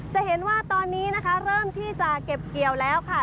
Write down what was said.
จะเห็นว่าตอนนี้นะคะเริ่มที่จะเก็บเกี่ยวแล้วค่ะ